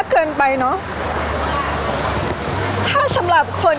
พี่ตอบได้แค่นี้จริงค่ะ